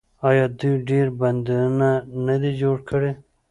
آیا دوی ډیر بندونه نه دي جوړ کړي؟